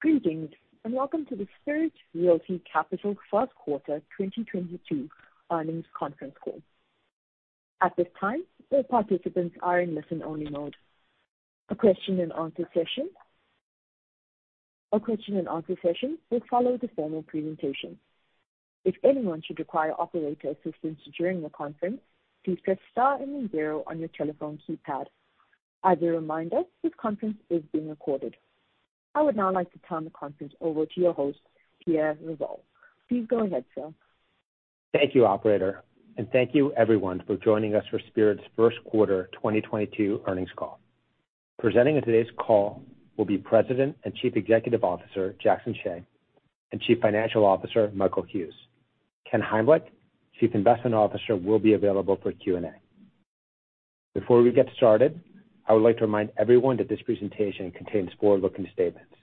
Greetings, and welcome to the Spirit Realty Capital First Quarter 2022 Earnings Conference Call. At this time, all participants are in listen-only mode. A question and answer session will follow the formal presentation. If anyone should require operator assistance during the conference, please press star and then zero on your telephone keypad. As a reminder, this conference is being recorded. I would now like to turn the conference over to your host, Pierre Revol. Please go ahead, sir. Thank you, operator, and thank you everyone for joining us for Spirit's First Quarter 2022 Earnings Call. Presenting at today's call will be President and Chief Executive Officer, Jackson Hsieh, and Chief Financial Officer, Michael Hughes. Ken Heimlich, Chief Investment Officer, will be available for Q&A. Before we get started, I would like to remind everyone that this presentation contains forward-looking statements.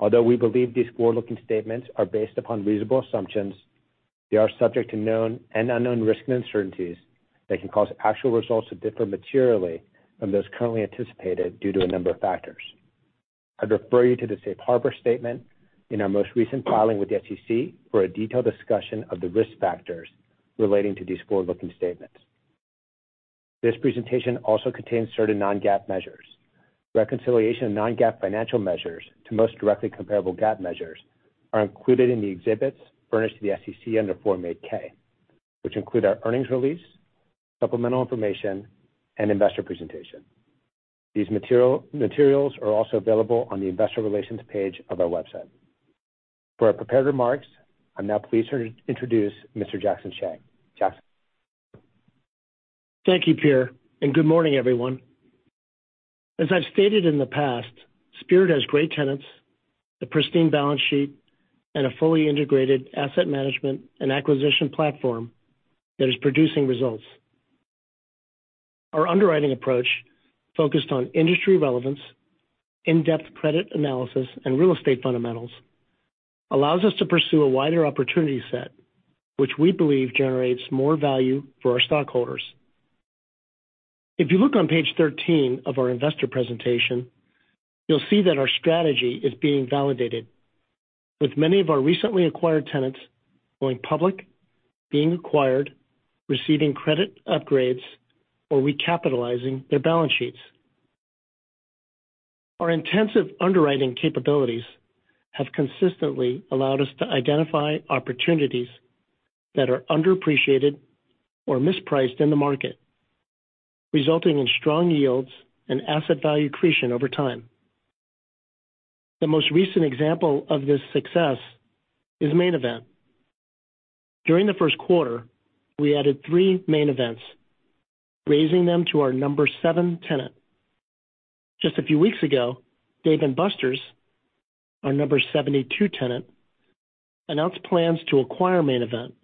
Although we believe these forward-looking statements are based upon reasonable assumptions, they are subject to known and unknown risks and uncertainties that can cause actual results to differ materially from those currently anticipated due to a number of factors. I'd refer you to the safe harbor statement in our most recent filing with the SEC for a detailed discussion of the risk factors relating to these forward-looking statements. This presentation also contains certain non-GAAP measures. Reconciliation of non-GAAP financial measures to most directly comparable GAAP measures are included in the exhibits furnished to the SEC under Form 8-K, which include our earnings release, supplemental information, and investor presentation. These materials are also available on the investor relations page of our website. For our prepared remarks, I'm now pleased to introduce Mr. Jackson Hsieh. Jackson. Thank you, Pierre, and good morning, everyone. As I've stated in the past, Spirit has great tenants, a pristine balance sheet, and a fully integrated asset management and acquisition platform that is producing results. Our underwriting approach focused on industry relevance, in-depth credit analysis, and real estate fundamentals allows us to pursue a wider opportunity set, which we believe generates more value for our stockholders. If you look on page 13 of our investor presentation, you'll see that our strategy is being validated with many of our recently acquired tenants going public, being acquired, receiving credit upgrades, or recapitalizing their balance sheets. Our intensive underwriting capabilities have consistently allowed us to identify opportunities that are underappreciated or mispriced in the market, resulting in strong yields and asset value accretion over time. The most recent example of this success is Main Event. During the first quarter, we added three Main Event, raising them to our number seven tenant. Just a few weeks ago, Dave & Buster's, our number 72 tenant, announced plans to acquire Main Event,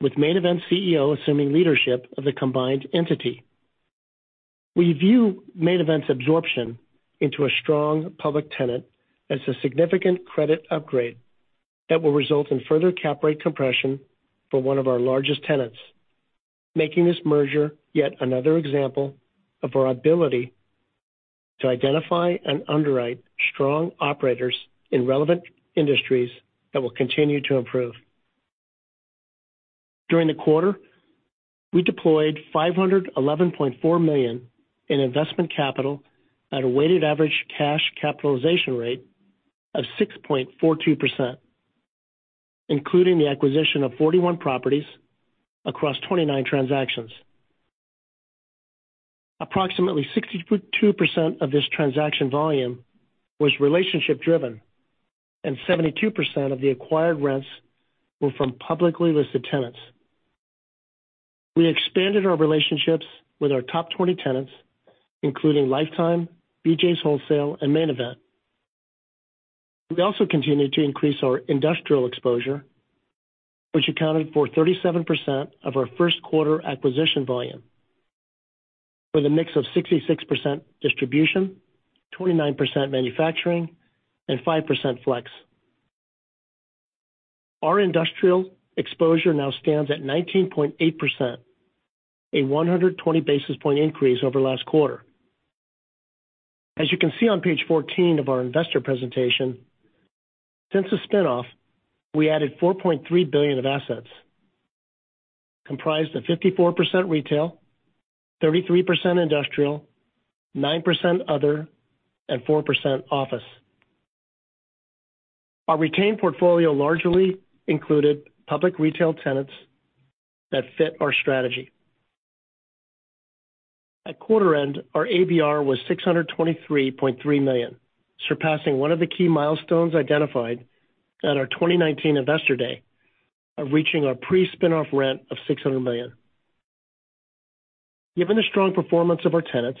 with Main Event's CEO assuming leadership of the combined entity. We view Main Event's absorption into a strong public tenant as a significant credit upgrade that will result in further cap rate compression for one of our largest tenants, making this merger yet another example of our ability to identify and underwrite strong operators in relevant industries that will continue to improve. During the quarter, we deployed $511.4 million in investment capital at a weighted average cash capitalization rate of 6.42%, including the acquisition of 41 properties across 29 transactions. Approximately 62% of this transaction volume was relationship driven, and 72% of the acquired rents were from publicly listed tenants. We expanded our relationships with our top 20 tenants, including Life Time, BJ's Wholesale Club, and Main Event. We also continued to increase our industrial exposure, which accounted for 37% of our first quarter acquisition volume with a mix of 66% distribution, 29% manufacturing, and 5% flex. Our industrial exposure now stands at 19.8%, a 120 basis point increase over last quarter. As you can see on page 14 of our investor presentation, since the spin-off, we added $4.3 billion of assets comprised of 54% retail, 33% industrial, 9% other, and 4% office. Our retained portfolio largely included public retail tenants that fit our strategy. At quarter end, our ABR was $623.3 million, surpassing one of the key milestones identified at our 2019 investor day of reaching our pre-spin-off rent of $600 million. Given the strong performance of our tenants,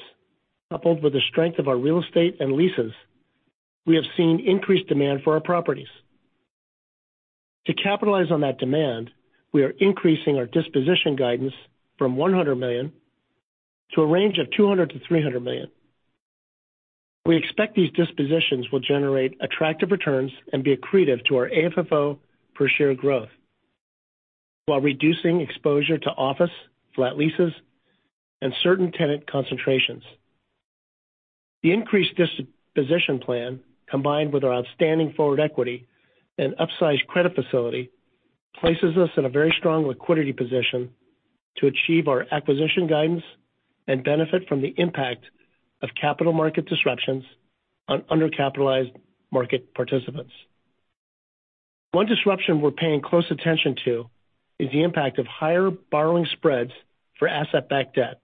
coupled with the strength of our real estate and leases, we have seen increased demand for our properties. To capitalize on that demand, we are increasing our disposition guidance from $100 million to a range of $200 million-$300 million. We expect these dispositions will generate attractive returns and be accretive to our AFFO per share growth while reducing exposure to office flat leases and certain tenant concentrations. The increased disposition plan, combined with our outstanding forward equity and upsized credit facility, places us in a very strong liquidity position to achieve our acquisition guidance and benefit from the impact of capital market disruptions on undercapitalized market participants. One disruption we're paying close attention to is the impact of higher borrowing spreads for asset-backed debt,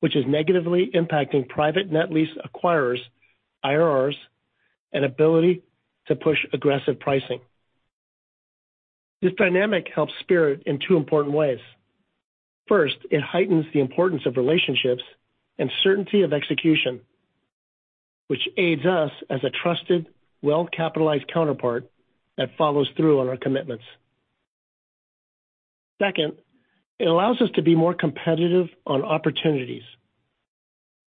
which is negatively impacting private net lease acquirers, IRRs, and ability to push aggressive pricing. This dynamic helps Spirit in two important ways. First, it heightens the importance of relationships and certainty of execution, which aids us as a trusted, well-capitalized counterpart that follows through on our commitments. Second, it allows us to be more competitive on opportunities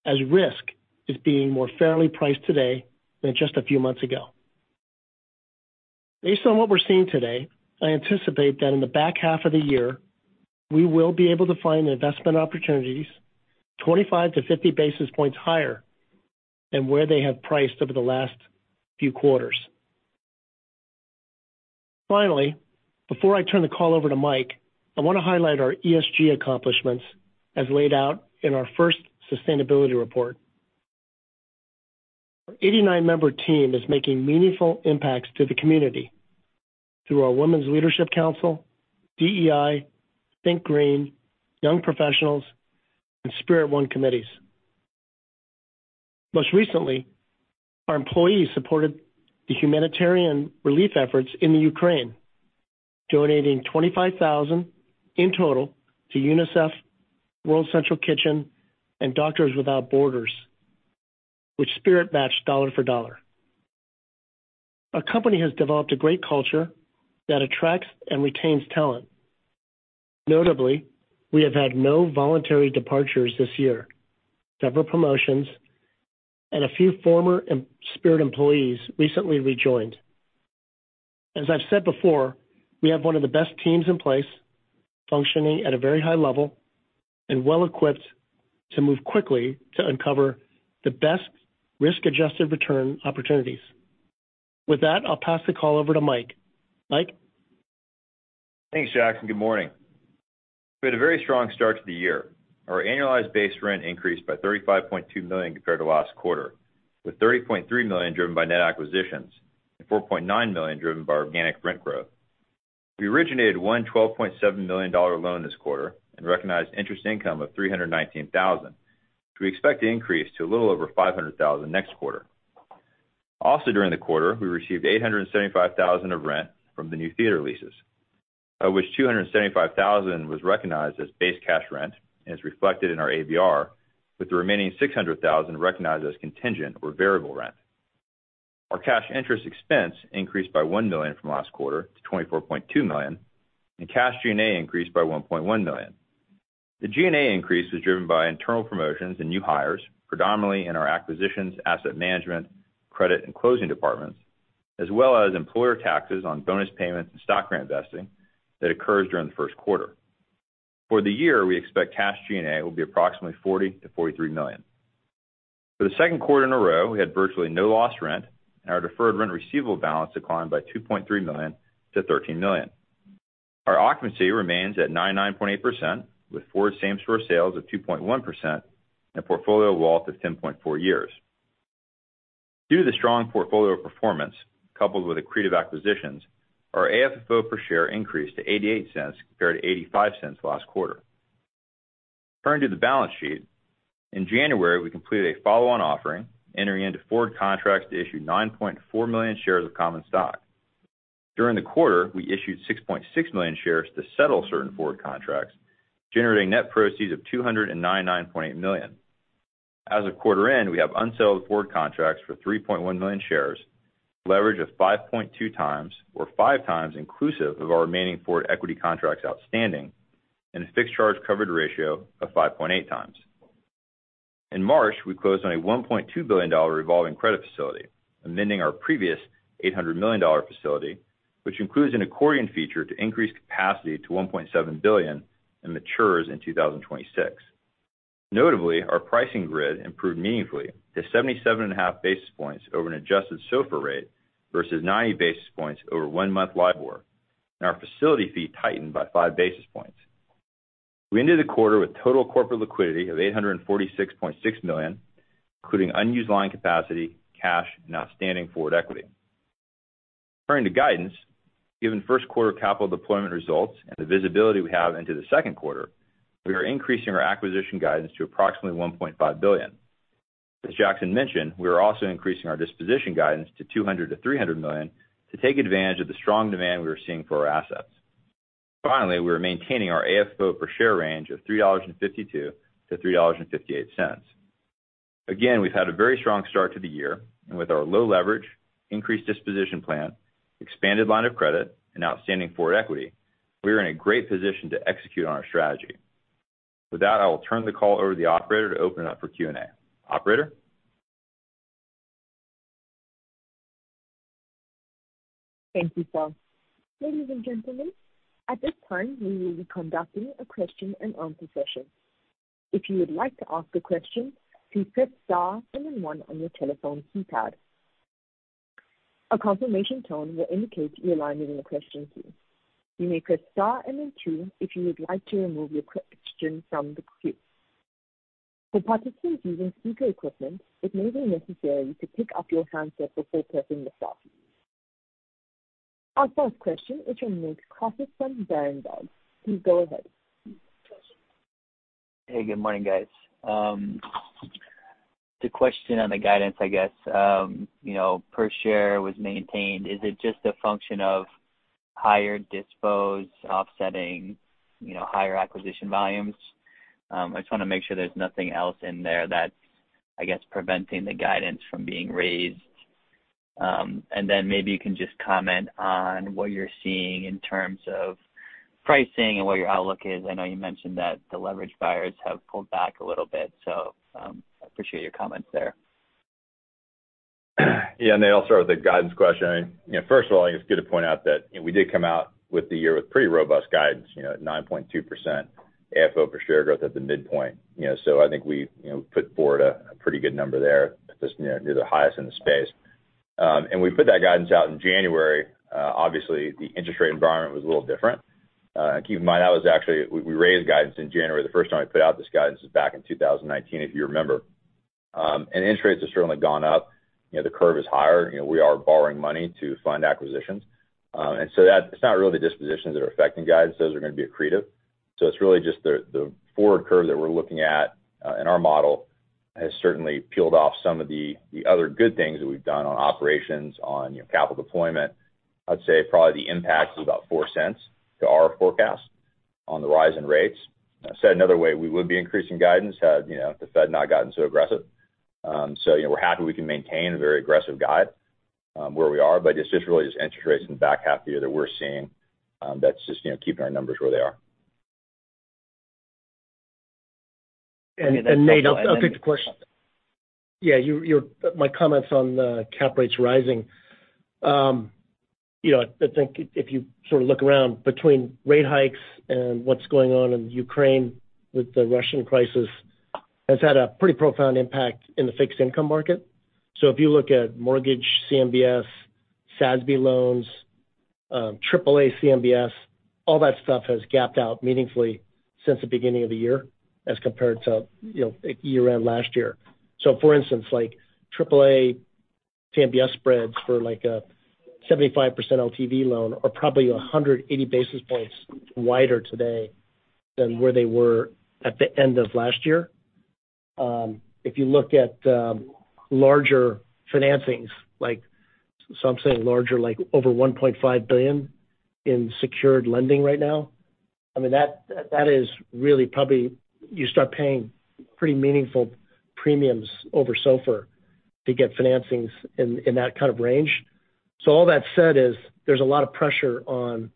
as risk is being more fairly priced today than just a few months ago. Based on what we're seeing today, I anticipate that in the back half of the year, we will be able to find investment opportunities 25-50 basis points higher than where they have priced over the last few quarters. Finally, before I turn the call over to Mike, I want to highlight our ESG accomplishments as laid out in our first sustainability report. Our 89-member team is making meaningful impacts to the community through our Women's Leadership Council, DEI, Think Green, Young Professionals, and Spirit One committees. Most recently, our employees supported the humanitarian relief efforts in the Ukraine, donating $25,000 in total to UNICEF, World Central Kitchen, and Doctors Without Borders, which Spirit matched dollar for dollar. Our company has developed a great culture that attracts and retains talent. Notably, we have had no voluntary departures this year, several promotions, and a few former Spirit employees recently rejoined. As I've said before, we have one of the best teams in place, functioning at a very high level and well equipped to move quickly to uncover the best risk-adjusted return opportunities. With that, I'll pass the call over to Mike. Mike? Thanks, Jackson. Good morning. We had a very strong start to the year. Our annualized base rent increased by $35.2 million compared to last quarter, with $30.3 million driven by net acquisitions and $4.9 million driven by organic rent growth. We originated $112.7 million loan this quarter and recognized interest income of $319 thousand. We expect to increase to a little over $500 thousand next quarter. Also during the quarter, we received $875 thousand of rent from the new theater leases, of which $275 thousand was recognized as base cash rent and is reflected in our ABR, with the remaining $600 thousand recognized as contingent or variable rent. Our cash interest expense increased by $1 million from last quarter to $24.2 million, and cash G&A increased by $1.1 million. The G&A increase was driven by internal promotions and new hires, predominantly in our acquisitions, asset management, credit, and closing departments, as well as employer taxes on bonus payments and stock reinvesting that occurs during the first quarter. For the year, we expect cash G&A will be approximately $40-$43 million. For the second quarter in a row, we had virtually no lost rent, and our deferred rent receivable balance declined by $2.3 million to $13 million. Our occupancy remains at 99.8%, with forward same-store sales of 2.1% and a portfolio WALT to 10.4 years. Due to the strong portfolio performance coupled with accretive acquisitions, our AFFO per share increased to $0.88 compared to $0.85 last quarter. Turning to the balance sheet, in January, we completed a follow-on offering, entering into forward contracts to issue 9.4 million shares of common stock. During the quarter, we issued 6.6 million shares to settle certain forward contracts, generating net proceeds of $299.8 million. As of quarter end, we have unsold forward contracts for 3.1 million shares, leverage of 5.2x or 5x inclusive of our remaining forward equity contracts outstanding, and a fixed charge coverage ratio of 5.8x. In March, we closed on a $1.2 billion revolving credit facility, amending our previous $800 million facility, which includes an accordion feature to increase capacity to $1.7 billion and matures in 2026. Notably, our pricing grid improved meaningfully to 77.5 basis points over an adjusted SOFR rate vs 90 basis points over one month LIBOR. Our facility fee tightened by 5 basis points. We ended the quarter with total corporate liquidity of $846.6 million, including unused line capacity, cash, and outstanding forward equity. Turning to guidance, given first quarter capital deployment results and the visibility we have into the second quarter, we are increasing our acquisition guidance to approximately $1.5 billion. As Jackson mentioned, we are also increasing our disposition guidance to $200 million-$300 million to take advantage of the strong demand we are seeing for our assets. Finally, we are maintaining our AFFO per share range of $3.52-$3.58. Again, we've had a very strong start to the year, and with our low leverage, increased disposition plan, expanded line of credit, and outstanding forward equity, we are in a great position to execute on our strategy. With that, I will turn the call over to the operator to open it up for Q&A. Operator? Thank you, sir. Ladies and gentlemen, at this time, we will be conducting a question and answer session. If you would like to ask a question, please press star and then one on your telephone keypad. A confirmation tone will indicate you are now in the question queue. You may press star and then two if you would like to remove your question from the queue. For participants using speaker equipment, it may be necessary to pick up your handset before pressing the star key. Our first question is from Nate Crossett from Berenberg. Please go ahead. Hey, good morning, guys. The question on the guidance, I guess, you know, per share was maintained. Is it just a function of higher dispo offsetting, you know, higher acquisition volumes? I just wanna make sure there's nothing else in there that's, I guess, preventing the guidance from being raised. Maybe you can just comment on what you're seeing in terms of pricing and what your outlook is. I know you mentioned that the leverage buyers have pulled back a little bit, so I appreciate your comments there. Yeah. Then I'll start with the guidance question. You know, first of all, I think it's good to point out that, you know, we did come out with the year with pretty robust guidance, you know, at 9.2% FFO per share growth at the midpoint. You know, so I think we, you know, put forward a pretty good number there. Just, you know, near the highest in the space. We put that guidance out in January. Obviously, the interest rate environment was a little different. Keep in mind that was actually we raised guidance in January. The first time we put out this guidance was back in 2019, if you remember. Interest rates have certainly gone up. You know, the curve is higher. You know, we are borrowing money to fund acquisitions. That's not really the dispositions that are affecting guidance. Those are gonna be accretive. It's really just the forward curve that we're looking at in our model has certainly peeled off some of the other good things that we've done on operations on, you know, capital deployment. I'd say probably the impact is about $0.04 to our forecast on the rise in rates. Said another way, we would be increasing guidance had, you know, the Fed not gotten so aggressive. You know, we're happy we can maintain a very aggressive guide where we are, but it's just really just interest rates in the back half of the year that we're seeing that's just, you know, keeping our numbers where they are. Nate, I'll get your question. Yeah, my comments on the cap rates rising. You know, I think if you sort of look around between rate hikes and what's going on in Ukraine with the Russian crisis, has had a pretty profound impact in the fixed income market. If you look at mortgage CMBS, SASB loans, triple A CMBS, all that stuff has gapped out meaningfully since the beginning of the year as compared to, you know, year-end last year. For instance, like triple A CMBS spreads for like a 75% LTV loan are probably 180 basis points wider today than where they were at the end of last year. If you look at larger financings, like so I'm saying larger like over $1.5 billion in secured lending right now, I mean, that is really probably you start paying pretty meaningful premiums over SOFR to get financings in that kind of range. All that said is there's a lot of pressure on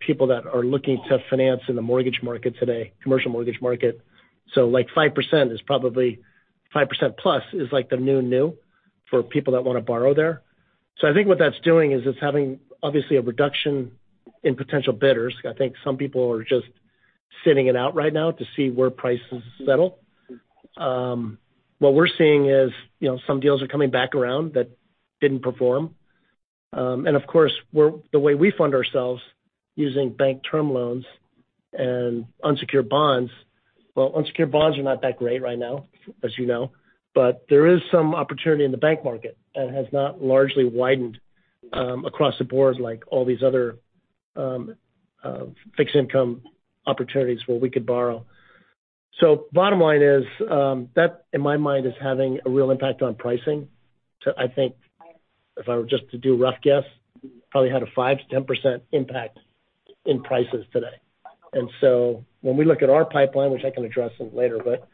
people that are looking to finance in the mortgage market today, commercial mortgage market. Like 5% plus is like the new normal for people that wanna borrow there. I think what that's doing is it's having obviously a reduction in potential bidders. I think some people are just sitting it out right now to see where prices settle. What we're seeing is, you know, some deals are coming back around that didn't perform. Of course, the way we fund ourselves using bank term loans and unsecured bonds, well, unsecured bonds are not that great right now, as you know. There is some opportunity in the bank market that has not largely widened across the board like all these other fixed income opportunities where we could borrow. Bottom line is that in my mind is having a real impact on pricing too, I think. If I were just to do a rough guess, probably had a 5%-10% impact in prices today. When we look at our pipeline, which I can address it later, but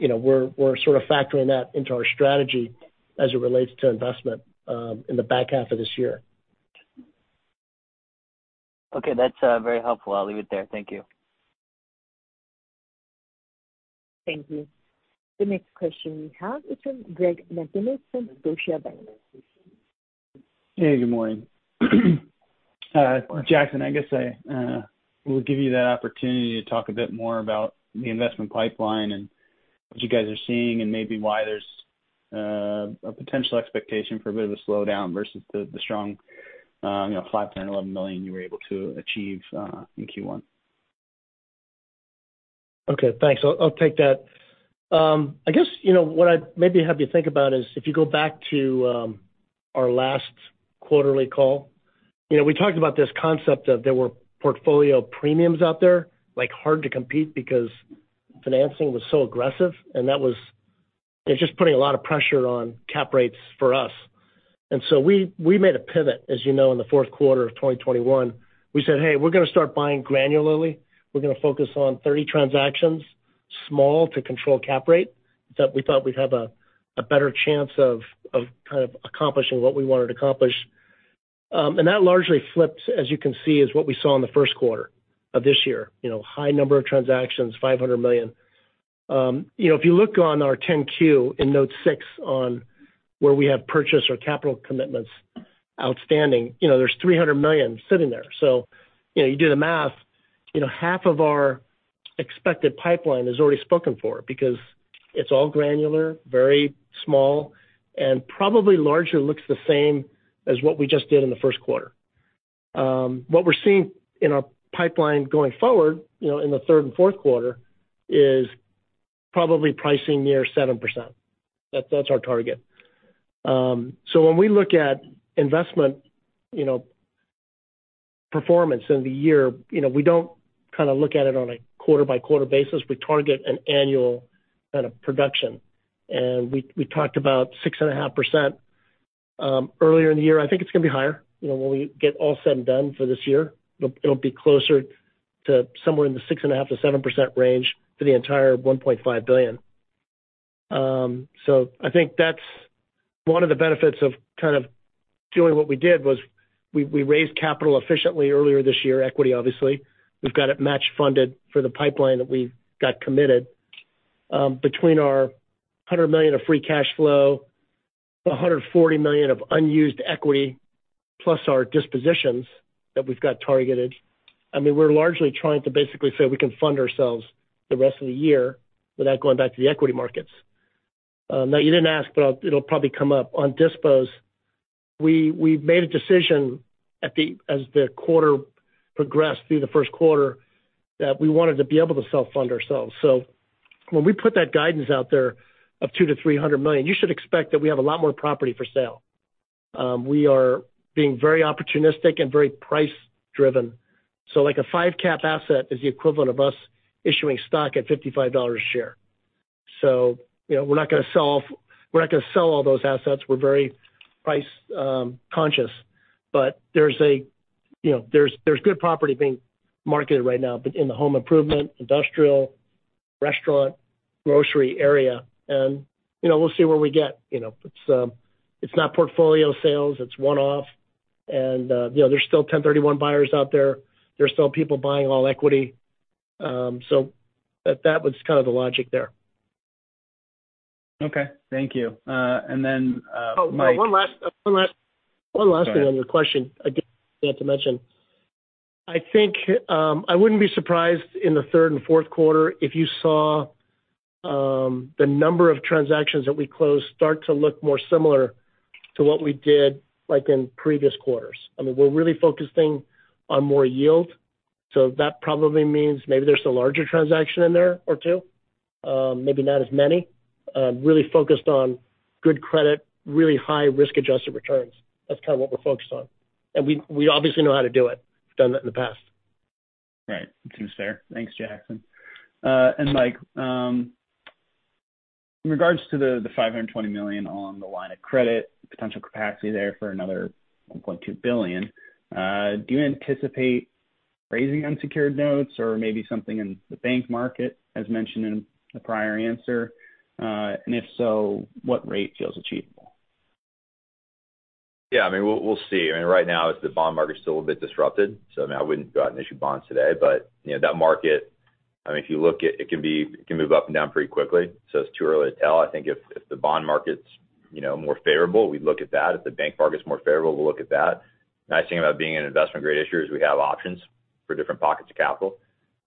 you know, we're sort of factoring that into our strategy as it relates to investment in the back half of this year. Okay. That's very helpful. I'll leave it there. Thank you. Thank you. The next question we have is from Greg McGinniss from Scotiabank. Hey, good morning. Jackson, I guess I will give you that opportunity to talk a bit more about the investment pipeline and what you guys are seeing and maybe why there's a potential expectation for a bit of a slowdown vs the strong, you know, $511 million you were able to achieve in Q1. Okay, thanks. I'll take that. I guess, you know, what I'd maybe have you think about is if you go back to our last quarterly call, you know, we talked about this concept of there were portfolio premiums out there, like hard to compete because financing was so aggressive, and it's just putting a lot of pressure on cap rates for us. We made a pivot, as you know, in the fourth quarter of 2021. We said, "Hey, we're gonna start buying granularly. We're gonna focus on 30 transactions, small to control cap rate," that we thought we'd have a better chance of kind of accomplishing what we wanted to accomplish, and that largely flipped, as you can see, is what we saw in the first quarter of this year. You know, high number of transactions, $500 million. You know, if you look on our 10-Q in Note 6 on where we have purchase or capital commitments outstanding, you know, there's $300 million sitting there. You know, you do the math, you know, half of our expected pipeline is already spoken for because it's all granular, very small, and probably largely looks the same as what we just did in the first quarter. What we're seeing in our pipeline going forward, you know, in the third and fourth quarter is probably pricing near 7%. That's our target. When we look at investment, you know, performance in the year, you know, we don't kind of look at it on a quarter by quarter basis. We target an annual kind of production. We talked about 6.5%, earlier in the year. I think it's gonna be higher, you know, when we get all said and done for this year. It'll be closer to somewhere in the 6.5%-7% range for the entire $1.5 billion. So I think that's one of the benefits of kind of doing what we did was we raised capital efficiently earlier this year, equity, obviously. We've got it match funded for the pipeline that we got committed. Between our $100 million of free cash flow, $140 million of unused equity, plus our dispositions that we've got targeted. I mean, we're largely trying to basically say we can fund ourselves the rest of the year without going back to the equity markets. Now you didn't ask, but it'll probably come up. On dispositions, we made a decision as the quarter progressed through the first quarter, that we wanted to be able to self-fund ourselves. When we put that guidance out there of $200 million-$300 million, you should expect that we have a lot more property for sale. We are being very opportunistic and very price-driven. Like a five cap asset is the equivalent of us issuing stock at $55 a share. You know, we're not gonna sell all those assets. We're very price conscious. But there's, you know, there's good property being marketed right now, but in the home improvement, industrial, restaurant, grocery area, and, you know, we'll see where we get, you know. It's not portfolio sales, it's one-off. You know, there's still 1031 buyers out there. There's still people buying all equity. That was kind of the logic there. Okay. Thank you. Oh, sorry, one last thing on your question. Again, forgot to mention. I think, I wouldn't be surprised in the third and fourth quarter if you saw, the number of transactions that we closed start to look more similar to what we did, like, in previous quarters. I mean, we're really focusing on more yield, so that probably means maybe there's a larger transaction in there or two, maybe not as many. Really focused on good credit, really high risk-adjusted returns. That's kind of what we're focused on. We obviously know how to do it. We've done that in the past. Right. Seems fair. Thanks, Jackson. Mike, in regards to the $520 million on the line of credit, potential capacity there for another $1.2 billion, do you anticipate raising unsecured notes or maybe something in the bank market as mentioned in the prior answer? If so, what rate feels achievable? Yeah, I mean, we'll see. I mean, right now is the bond market's still a bit disrupted, so, I mean, I wouldn't go out and issue bonds today. You know, that market, I mean, if you look at it can move up and down pretty quickly, so it's too early to tell. I think if the bond market's, you know, more favorable, we'd look at that. If the bank market's more favorable, we'll look at that. Nice thing about being an investment-grade issuer is we have options for different pockets of capital.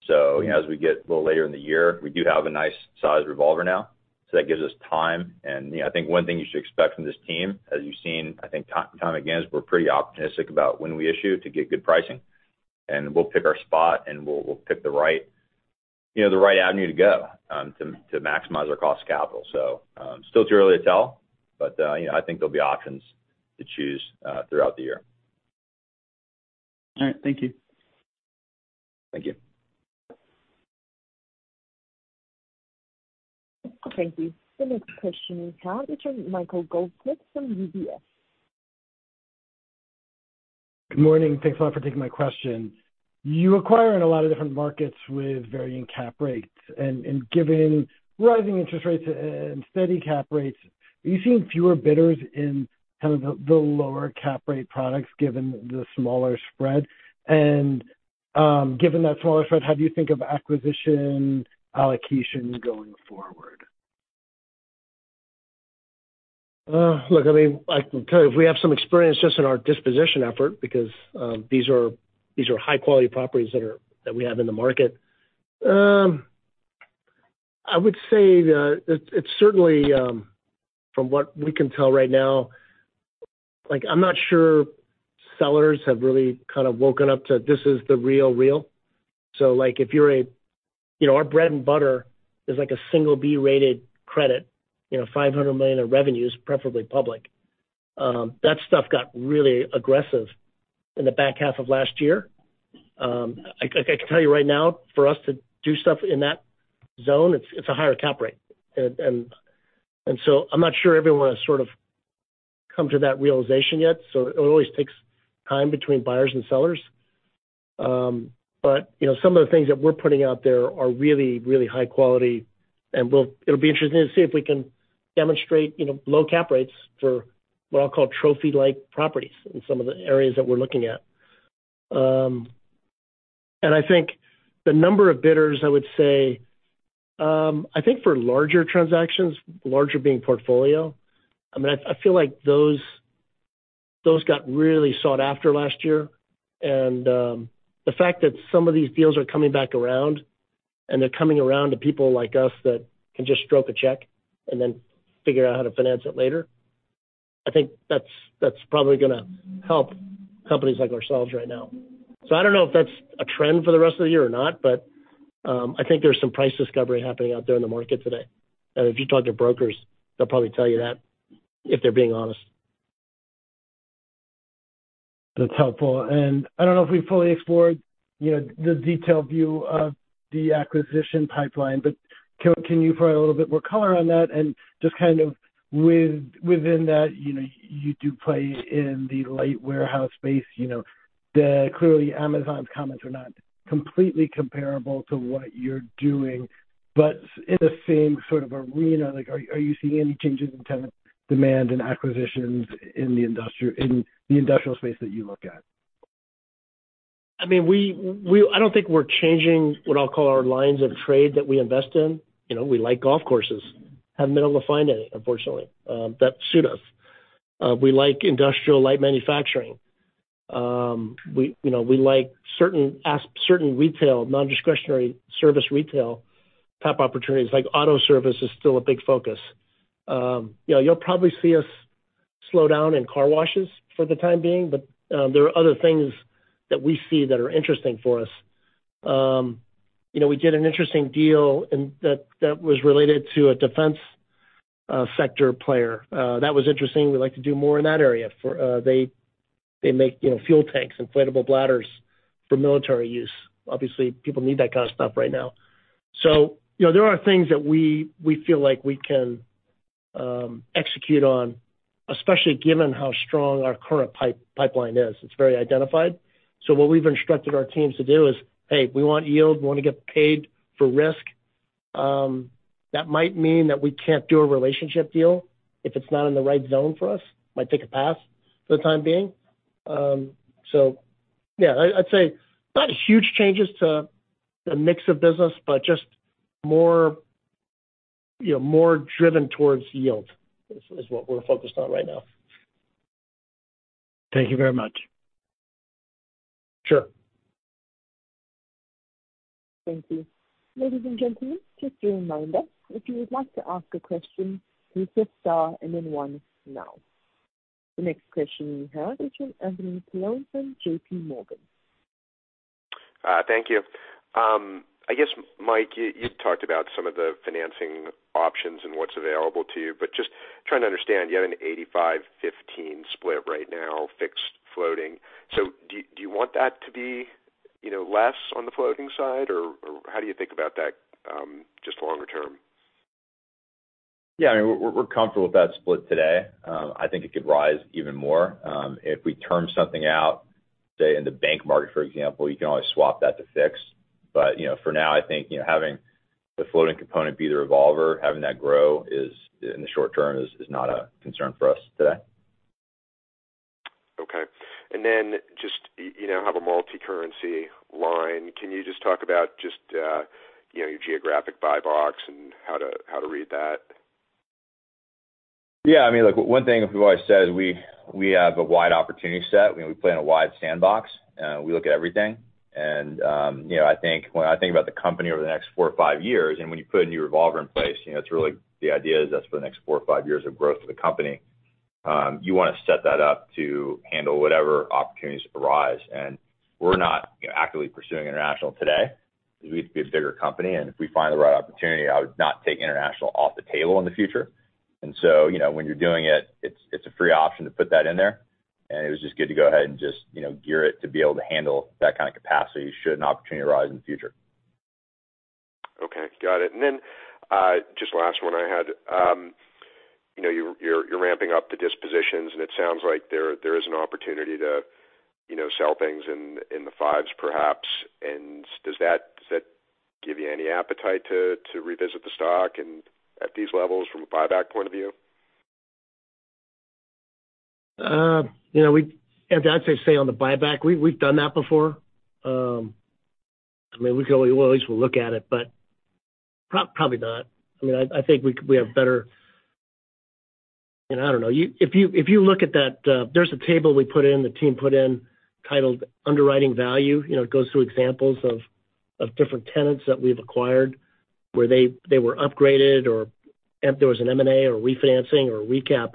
You know, as we get a little later in the year, we do have a nice sized revolver now, so that gives us time. You know, I think one thing you should expect from this team, as you've seen, I think time again, is we're pretty optimistic about when we issue to get good pricing. We'll pick our spot and we'll pick the right, you know, the right avenue to go to maximize our cost of capital. Still too early to tell, but you know, I think there'll be options to choose throughout the year. All right. Thank you. Thank you. Thank you. The next question we have is from Michael Goldsmith from UBS. Good morning. Thanks a lot for taking my question. You acquire in a lot of different markets with varying cap rates. Given rising interest rates and steady cap rates, are you seeing fewer bidders in kind of the lower cap rate products given the smaller spread? Given that smaller spread, how do you think of acquisition allocation going forward? Look, I mean, I can tell you, we have some experience just in our disposition effort because these are high-quality properties that we have in the market. I would say that it's certainly from what we can tell right now, like, I'm not sure sellers have really kind of woken up to this is the real deal. Like, if you're, you know, our bread and butter is like a single B-rated credit, you know, $500 million of revenues, preferably public. That stuff got really aggressive in the back half of last year. I like, I can tell you right now, for us to do stuff in that zone, it's a higher cap rate. I'm not sure everyone has sort of come to that realization yet, so it always takes time between buyers and sellers. You know, some of the things that we're putting out there are really high quality, and it'll be interesting to see if we can demonstrate, you know, low cap rates for what I'll call trophy-like properties in some of the areas that we're looking at. I think the number of bidders, I would say, I think for larger transactions, larger being portfolio, I mean, I feel like those got really sought after last year. The fact that some of these deals are coming back around, and they're coming around to people like us that can just stroke a check and then figure out how to finance it later, I think that's probably gonna help companies like ourselves right now. I don't know if that's a trend for the rest of the year or not, but I think there's some price discovery happening out there in the market today. If you talk to brokers, they'll probably tell you that if they're being honest. That's helpful. I don't know if we fully explored, you know, the detailed view of the acquisition pipeline, but can you provide a little bit more color on that? Just kind of within that, you know, you do play in the light warehouse space, you know. Clearly, Amazon's comments are not completely comparable to what you're doing, but in the same sort of arena, like, are you seeing any changes in tenant demand and acquisitions in the industrial space that you look at? I mean, I don't think we're changing what I'll call our lines of trade that we invest in. You know, we like golf courses. Haven't been able to find any, unfortunately, that suit us. We like industrial light manufacturing. You know, we like certain retail, non-discretionary service retail type opportunities, like auto service is still a big focus. You know, you'll probably see us slow down in car washes for the time being, but there are other things that we see that are interesting for us. You know, we did an interesting deal and that was related to a defense sector player. That was interesting. We'd like to do more in that area for, they make, you know, fuel tanks, inflatable bladders for military use. Obviously, people need that kind of stuff right now. You know, there are things that we feel like we can execute on, especially given how strong our current pipeline is. It's very identified. What we've instructed our teams to do is, "Hey, we want yield. We wanna get paid for risk." Yeah, I'd say not huge changes to the mix of business, but just more, you know, more driven towards yield is what we're focused on right now. Thank you very much. Sure. Thank you. Ladies and gentlemen, just a reminder, if you would like to ask a question, please press star and then one now. The next question we have is from Anthony Paolone from JPMorgan. Thank you. I guess, Mike, you talked about some of the financing options and what's available to you, but just trying to understand, you have an 85-15 split right now, fixed-floating. Do you want that to be, you know, less on the floating side? Or how do you think about that just longer term? Yeah. I mean, we're comfortable with that split today. I think it could rise even more. If we term something out, say in the bank market, for example, you can always swap that to fixed. But you know, for now, I think you know, having the floating component be the revolver, having that grow is, in the short term, not a concern for us today. Okay. Just, you now have a multicurrency line. Can you just talk about just, you know, your geographic buy box and how to read that? Yeah. I mean, look, one thing we've always said is we have a wide opportunity set, and we play in a wide sandbox. We look at everything. I think when I think about the company over the next four or five years, and when you put a new revolver in place, it's really the idea is that's for the next four or five years of growth for the company. You wanna set that up to handle whatever opportunities arise. We're not actively pursuing international today. We need to be a bigger company, and if we find the right opportunity, I would not take international off the table in the future. You know, when you're doing it's a free option to put that in there, and it was just good to go ahead and just, you know, gear it to be able to handle that kind of capacity should an opportunity arise in the future. Okay. Got it. Then, just last one I had. You know, you're ramping up the dispositions, and it sounds like there is an opportunity to, you know, sell things in the fives perhaps. Does that give you any appetite to revisit the stock and at these levels from a buyback point of view? You know, Anthony, I'd say on the buyback, we've done that before. I mean, we'll at least look at it, but probably not. I mean, I think we have better. I don't know. If you look at that, there's a table we put in, the team put in titled Underwriting Value. You know, it goes through examples of different tenants that we've acquired, where they were upgraded or and there was an M&A or refinancing or recap,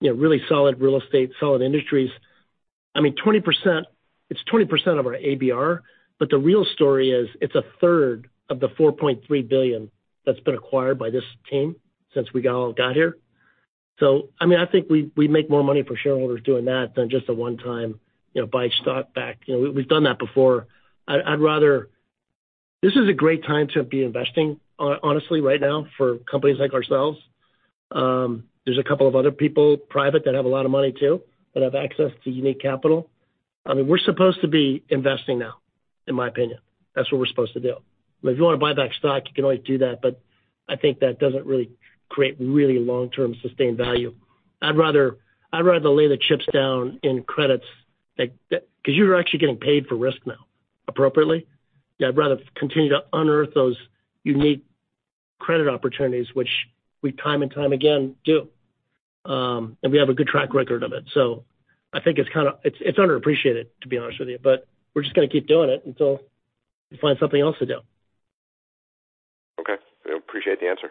you know, really solid real estate, solid industries. I mean, 20%. It's 20% of our ABR, but the real story is it's a third of the $4.3 billion that's been acquired by this team since we all got here. I mean, I think we make more money for shareholders doing that than just a one-time, you know, buy stock back. You know, we've done that before. This is a great time to be investing, honestly, right now for companies like ourselves. There's a couple of other people, private, that have a lot of money too, that have access to unique capital. I mean, we're supposed to be investing now, in my opinion. That's what we're supposed to do. If you wanna buy back stock, you can always do that, but I think that doesn't really create long-term sustained value. I'd rather lay the chips down in credits that 'cause you're actually getting paid for risk now, appropriately. Yeah, I'd rather continue to unearth those unique credit opportunities, which we time and time again do. We have a good track record of it. I think it's underappreciated, to be honest with you. We're just gonna keep doing it until we find something else to do. Okay. I appreciate the answer.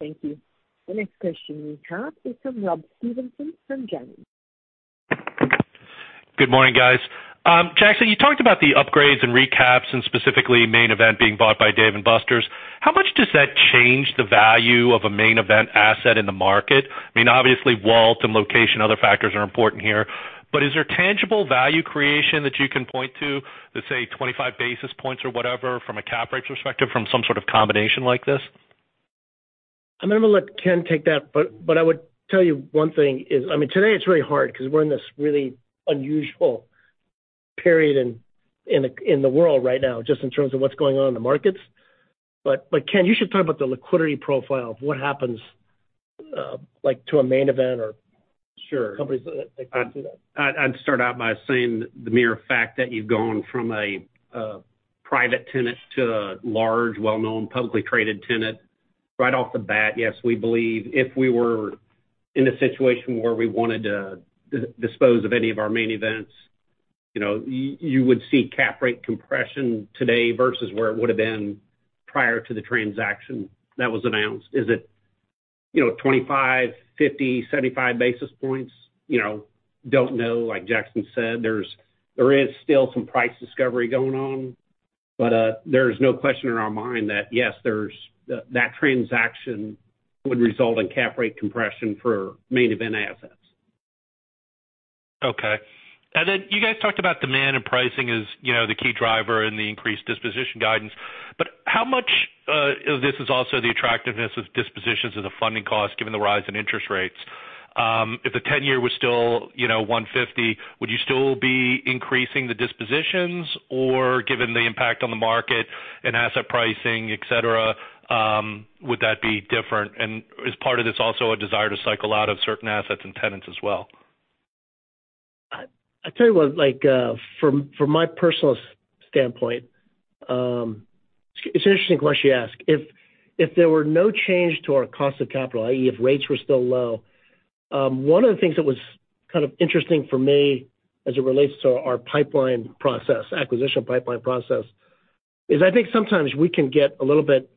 Thank you. The next question we have is from Rob Stevenson from Janney. Good morning, guys. Jackson, you talked about the upgrades and recaps and specifically Main Event being bought by Dave & Buster's. How much does that change the value of a Main Event asset in the market? I mean, obviously, WALT and location, other factors are important here. Is there tangible value creation that you can point to, let's say, 25 basis points or whatever from a cap rate perspective from some sort of combination like this? I'm gonna let Ken take that, but I would tell you one thing is, I mean, today it's really hard 'cause we're in this really unusual period in the world right now, just in terms of what's going on in the markets. Ken, you should talk about the liquidity profile of what happens, like to a Main Event or- Sure. companies that can do that. I'd start out by saying the mere fact that you've gone from a private tenant to a large, well-known, publicly traded tenant. Right off the bat, yes, we believe if we were in a situation where we wanted to dispose of any of our Main Event, you know, you would see cap rate compression today vs where it would have been prior to the transaction that was announced. Is it, you know, 25, 50, 75 basis points? You know, don't know. Like Jackson said, there is still some price discovery going on. There's no question in our mind that yes, that transaction would result in cap rate compression for Main Event assets. Okay. Then you guys talked about demand and pricing as, you know, the key driver in the increased disposition guidance. How much of this is also the attractiveness of dispositions of the funding cost given the rise in interest rates? If the ten-year was still, you know, 1.50, would you still be increasing the dispositions, or given the impact on the market and asset pricing, et cetera, would that be different? Is part of this also a desire to cycle out of certain assets and tenants as well? I tell you what, like, from my personal standpoint, it's an interesting question you ask. If there were no change to our cost of capital, i.e., if rates were still low, one of the things that was kind of interesting for me as it relates to our pipeline process, acquisition pipeline process, is I think sometimes we can get a little bit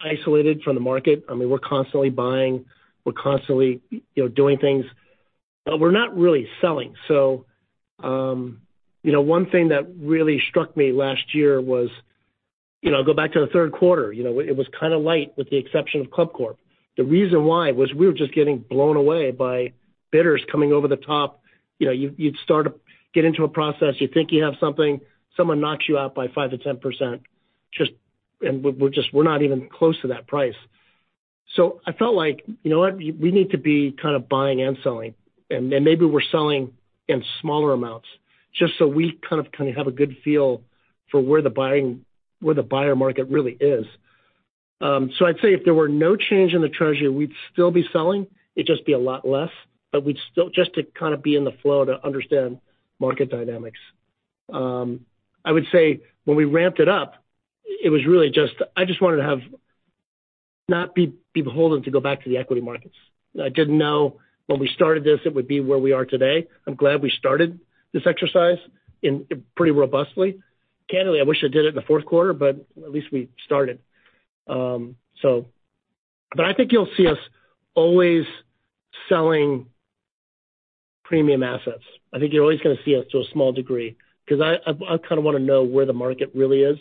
isolated from the market. I mean, we're constantly buying, we're constantly you know, doing things. We're not really selling. You know, one thing that really struck me last year was, you know, go back to the third quarter. You know, it was kind of light with the exception of ClubCorp. The reason why was we were just getting blown away by bidders coming over the top. You know, you'd start to get into a process, you think you have something, someone knocks you out by 5%-10%. Just, we're just not even close to that price. I felt like, you know what? We need to be kind of buying and selling, and maybe we're selling in smaller amounts just so we kind of have a good feel for where the buyer market really is. I'd say if there were no change in the Treasury, we'd still be selling. It'd just be a lot less. We'd still just to kind of be in the flow to understand market dynamics. I would say when we ramped it up, it was really just I just wanted not to be beholden to go back to the equity markets. I didn't know when we started this, it would be where we are today. I'm glad we started this exercise in pretty robustly. Candidly, I wish I did it in the fourth quarter, but at least we started. I think you'll see us always selling premium assets. I think you're always gonna see us to a small degree, 'cause I kind of wanna know where the market really is.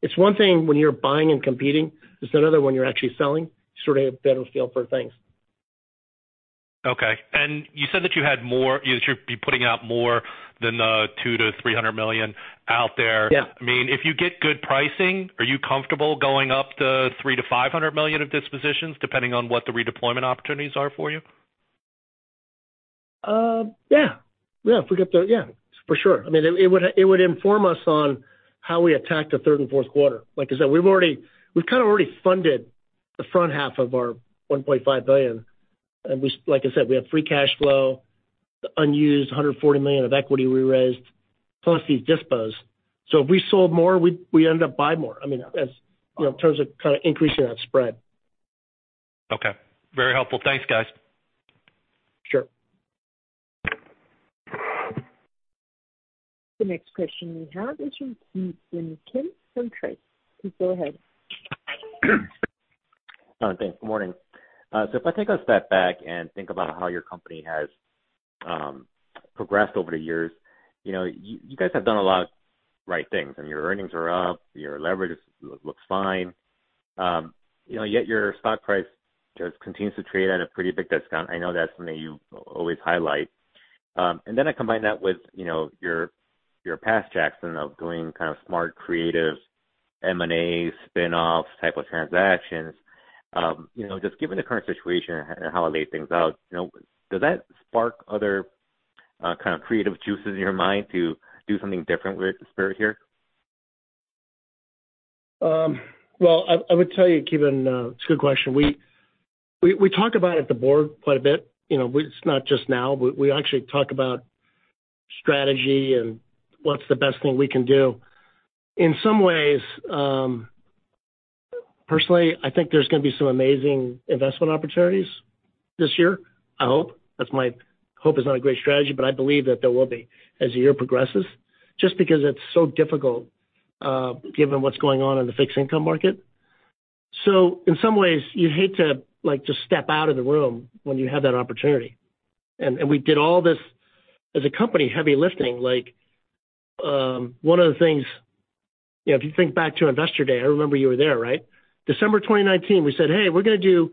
It's one thing when you're buying and competing. It's another when you're actually selling, sort of a better feel for things. Okay. You said that you had more. You'd be putting out more than $200 million-$300 million out there. Yeah. I mean, if you get good pricing, are you comfortable going up to $300 million-$500 million of dispositions, depending on what the redeployment opportunities are for you? Yeah, for sure. I mean, it would inform us on how we attack the third and fourth quarter. Like I said, we've kind of already funded the front half of our $1.5 billion. Like I said, we have free cash flow, the unused $140 million of equity we raised, plus these dispositions. If we sold more, we end up buying more. I mean, as you know, in terms of kind of increasing that spread. Okay. Very helpful. Thanks, guys. Sure. The next question we have is from Ki Bin Kim from Truist. Please go ahead. Oh, thanks. Good morning. If I take a step back and think about how your company has progressed over the years, you know, you guys have done a lot of right things, and your earnings are up, your leverage looks fine. You know, yet your stock price just continues to trade at a pretty big discount. I know that's something you always highlight. Then I combine that with, you know, your past, Jackson, of doing kind of smart, creative M&A spin-offs type of transactions. You know, just given the current situation and how it lays things out, you know, does that spark other kind of creative juices in your mind to do something different with Spirit here? Well, I would tell you, Ki Bin, it's a good question. We talk about it at the board quite a bit. You know, it's not just now. We actually talk about strategy and what's the best thing we can do. In some ways, personally, I think there's gonna be some amazing investment opportunities this year. I hope. That's my hope is not a great strategy, but I believe that there will be as the year progresses, just because it's so difficult, given what's going on in the fixed income market. In some ways, you'd hate to, like, just step out of the room when you have that opportunity. We did all this as a company, heavy lifting. Like, one of the things, you know, if you think back to Investor Day, I remember you were there, right? December 2019, we said, "Hey, we're gonna do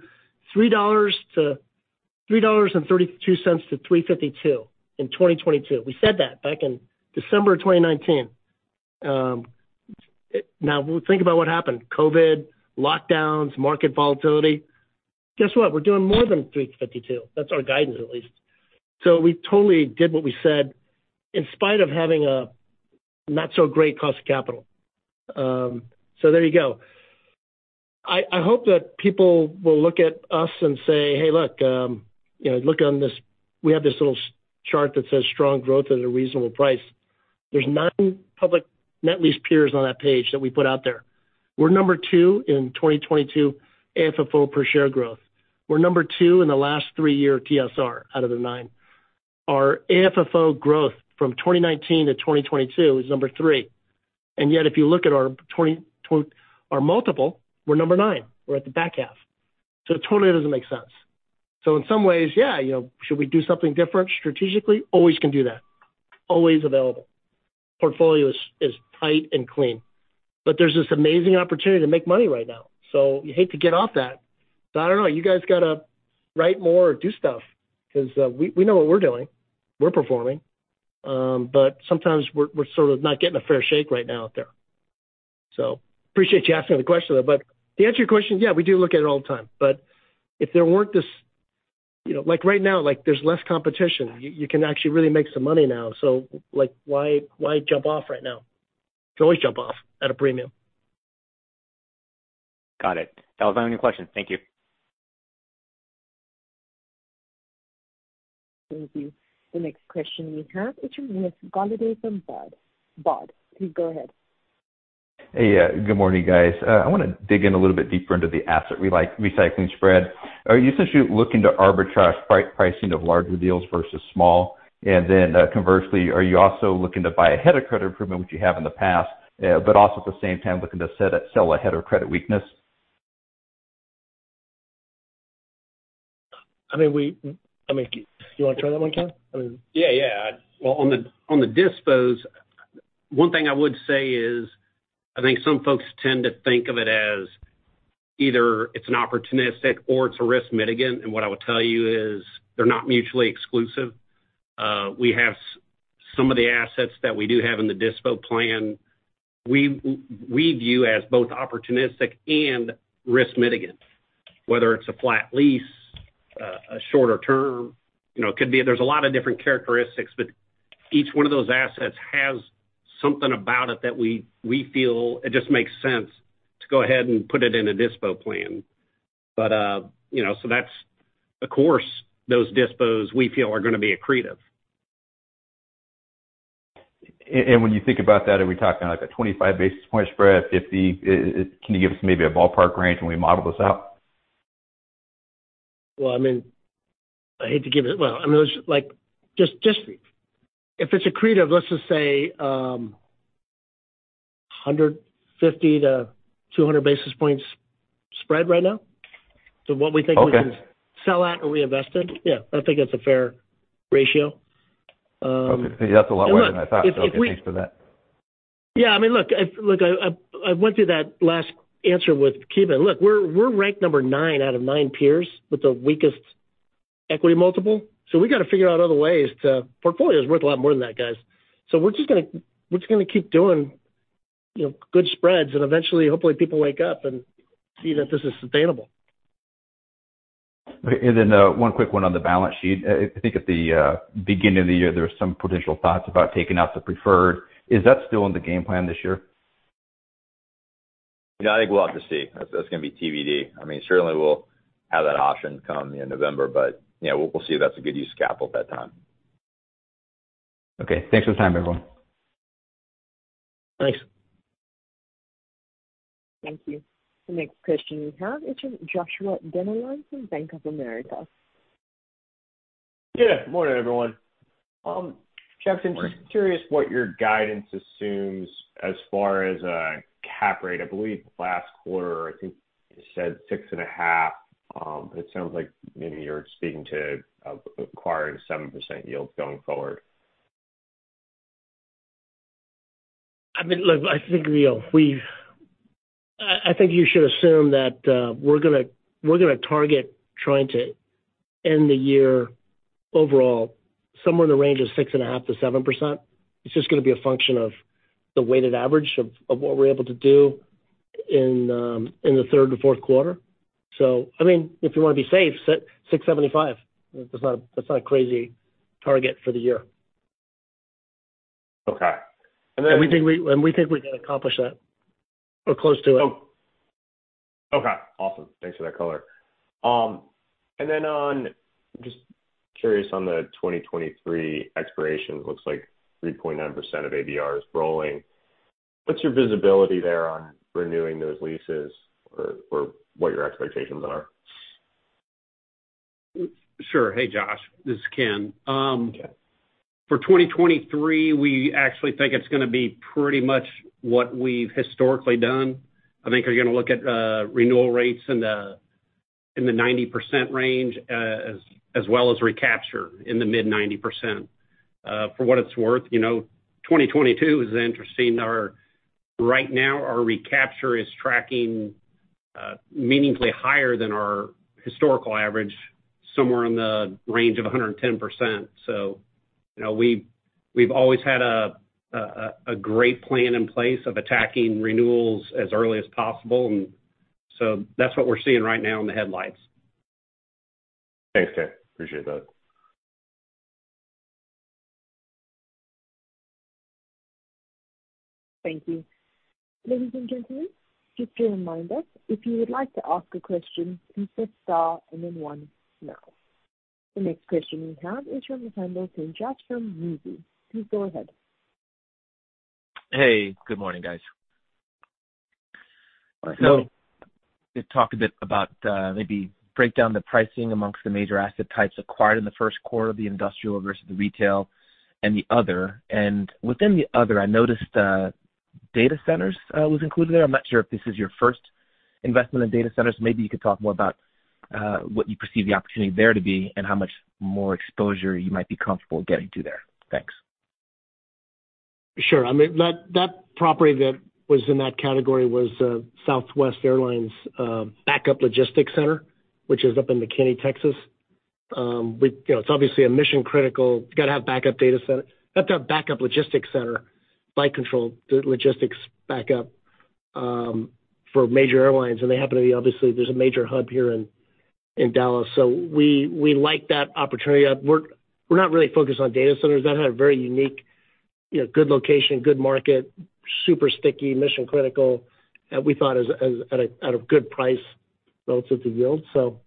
$3.32-$3.52 in 2022." We said that back in December 2019. Now think about what happened. COVID, lockdowns, market volatility. Guess what? We're doing more than $3.52. That's our guidance at least. We totally did what we said in spite of having a not so great cost of capital. There you go. I hope that people will look at us and say, "Hey, look, you know, look on this." We have this little chart that says strong growth at a reasonable price. There's nine public net lease peers on that page that we put out there. We're number two in 2022 AFFO per share growth. We're number two in the last three-year TSR out of the nine. Our AFFO growth from 2019 to 2022 is number three. Yet if you look at our multiple, we're number nine. We're at the back half. It totally doesn't make sense. In some ways, yeah, you know, should we do something different strategically? Always can do that. Always available. Portfolio is tight and clean. There's this amazing opportunity to make money right now, so you hate to get off that. I don't know. You guys got to write more or do stuff because we know what we're doing. We're performing. But sometimes we're sort of not getting a fair shake right now out there. Appreciate you asking the question, though. To answer your question, yeah, we do look at it all the time. If there weren't this... You know, like right now, like, there's less competition. You can actually really make some money now. Like, why jump off right now? You can always jump off at a premium. Got it. That was my only question. Thank you. Thank you. The next question we have, which is with Haendel St. Juste from Mizuho. Mizuho, please go ahead. Hey. Good morning, guys. I wanna dig in a little bit deeper into the asset recycling spread. Are you essentially looking to arbitrage pricing of larger deals vs small? Conversely, are you also looking to buy ahead of credit improvement, which you have in the past, but also at the same time looking to sell ahead of credit weakness? I mean, you wanna try that one, Ken? I mean. Yeah, yeah. Well, on the dispo, one thing I would say is, I think some folks tend to think of it as either it's an opportunistic or it's a risk mitigant. What I would tell you is they're not mutually exclusive. We have some of the assets that we do have in the dispo plan, we view as both opportunistic and risk mitigant, whether it's a flat lease, a shorter term. You know, it could be there's a lot of different characteristics, but each one of those assets has something about it that we feel it just makes sense to go ahead and put it in a dispo plan. You know, so that's, of course, those dispo we feel are gonna be accretive. When you think about that, are we talking like a 25 basis point spread, 50? Can you give us maybe a ballpark range when we model this out? Well, I mean, it was like, just if it's accretive, let's just say, 150-200 basis points spread right now. What we think- Okay. We can sell at or reinvest it. Yeah, I think that's a fair ratio. Okay. See, that's a lot lower than I thought. Look, if we Thanks for that. Yeah, I mean, look, I went through that last answer with Ki Bin. Look, we're ranked number nine out of nine peers with the weakest equity multiple. We gotta figure out other ways. Portfolio is worth a lot more than that, guys. We're just gonna keep doing, you know, good spreads, and eventually, hopefully, people wake up and see that this is sustainable. One quick one on the balance sheet. I think at the beginning of the year, there were some potential thoughts about taking out the preferred. Is that still in the game plan this year? No, I think we'll have to see. That's gonna be TBD. I mean, certainly we'll have that option come in November. You know, we'll see if that's a good use of capital at that time. Okay. Thanks for the time, everyone. Thanks. Thank you. The next question we have is Joshua Dennerlein from Bank of America. Yeah. Morning, everyone. Jackson- Morning. Just curious what your guidance assumes as far as a cap rate. I believe last quarter, I think you said 6.5%. It sounds like maybe you're speaking to acquiring 7% yield going forward. I mean, look, I think, you know, I think you should assume that we're gonna target trying to end the year overall somewhere in the range of 6.5%-7%. It's just gonna be a function of the weighted average of what we're able to do in the third or fourth quarter. I mean, if you wanna be safe, set 6.75%. That's not a crazy target for the year. Okay. We think we can accomplish that or close to it. Oh, okay. Awesome. Thanks for that color. Just curious on the 2023 expiration. Looks like 3.9% of ABR is rolling. What's your visibility there on renewing those leases or what your expectations are? Sure. Hey, Josh, this is Ken. For 2023, we actually think it's gonna be pretty much what we've historically done. I think you're gonna look at renewal rates in the 90% range, as well as recapture in the mid-90%. For what it's worth, you know, 2022 is interesting. Right now, our recapture is tracking meaningfully higher than our historical average, somewhere in the range of 110%. You know, we've always had a great plan in place of attacking renewals as early as possible, and that's what we're seeing right now in the headlights. Thanks, Ken. Appreciate that. Thank you. Ladies and gentlemen, just a reminder, if you would like to ask a question, please press star and then one now. The next question we have is from the line of from MUFG. Please go ahead. Hey, good morning, guys. Morning. You talked a bit about maybe break down the pricing among the major asset types acquired in the first quarter of the industrial vs the retail and the other. Within the other, I noticed data centers was included there. I'm not sure if this is your first investment in data centers. Maybe you could talk more about what you perceive the opportunity there to be and how much more exposure you might be comfortable getting to there. Thanks. Sure. I mean, that property that was in that category was Southwest Airlines backup logistics center, which is up in McKinney, Texas. You know, it's obviously a mission critical. You gotta have backup data center. Have to have backup logistics center, flight control logistics backup, for major airlines, and they happen to be obviously there's a major hub here in Dallas. So we like that opportunity. We're not really focused on data centers that had a very unique, you know, good location, good market, super sticky, mission critical, we thought at a good price relative to yield, so.